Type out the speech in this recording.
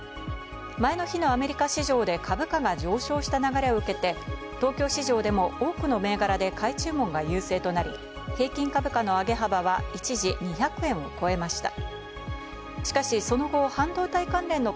前の日のアメリカ市場で株価が上昇した流れを受けて東京市場でも多くの銘柄で買い注文が優勢となり、平均株価の上げ幅は一時２００円を超えました。